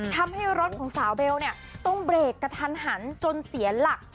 ทำให้รถของสาวเบลเนี่ยต้องเบรกกระทันหันจนเสียหลัก